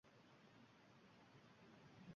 Биқиқ, рангсиз, маҳзун манзара